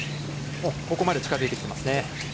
ここまで近づいてきてますね。